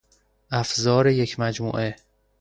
افزار یک مجموعه